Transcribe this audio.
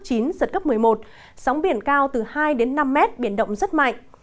giật cấp một mươi một sóng biển cao từ hai đến năm mét biển động rất mạnh